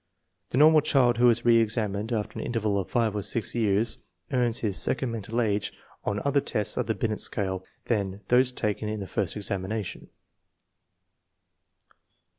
The normal child who is reSxamined after an interval of five or six years earns his second mental age on other tests of the Binet scale than those taken in the first examination.